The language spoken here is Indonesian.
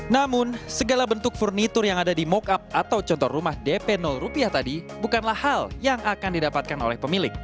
namun segala bentuk furnitur yang ada di moke up atau contoh rumah dp rupiah tadi bukanlah hal yang akan didapatkan oleh pemilik